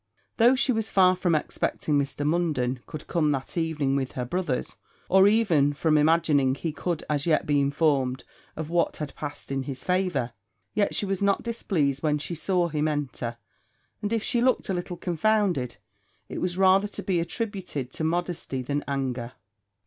Though she was far from expecting Mr. Munden could come that evening with her brothers, or even from imagining he could as yet be informed of what had passed in his favour, yet she was not displeased when she saw him enter; and if she looked a little confounded, it was rather to be attributed to modesty than anger.